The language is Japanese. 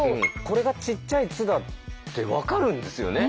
これがちっちゃい「つ」だって分かるんですよね。